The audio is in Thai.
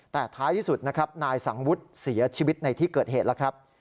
แต่ท้ายที่สุดนะครับนายสังวุฒิเสียชีวิตในที่เกิดเหตุแล้วครับ